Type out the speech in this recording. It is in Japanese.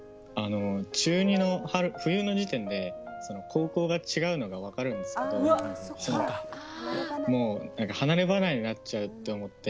中２の冬の時点で高校が違うのが分かるんですけどもう離れ離れになっちゃうと思って。